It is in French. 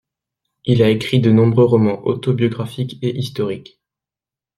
Il a écrit de nombreux romans autobiographiques et historiques.